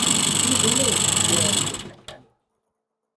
Hurler l'hyène et le chacal